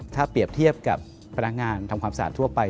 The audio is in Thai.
ถ้าเปรียบเทียบกับพนักงานทำความสะอาดทั่วไป